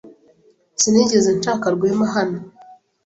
Sinigeze nshaka Rwema hano.